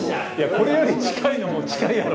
これより近いのも近いやろ。